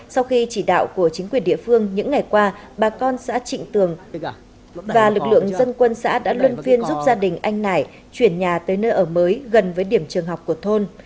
sau khi chỉ đạo của chính quyền địa phương những ngày qua bà con xã trịnh tường và lực lượng dân quân xã đã luân phiên giúp gia đình anh nải chuyển nhà tới nơi ở mới gần với điểm trường học của thôn